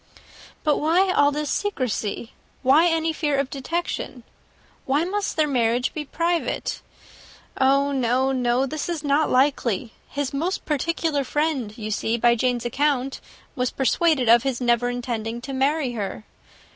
"But why all this secrecy? Why any fear of detection? Why must their marriage be private? Oh, no, no this is not likely. His most particular friend, you see by Jane's account, was persuaded of his never intending to marry her.